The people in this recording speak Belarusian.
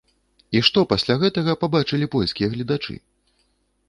І што пасля гэтага пабачылі польскія гледачы?